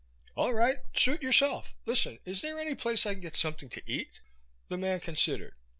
"All right, suit yourself. Listen, is there any place I can get something to eat?" The man considered.